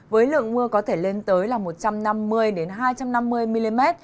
với lượng mưa có thể lên tới là một trăm năm mươi hai trăm năm mươi mm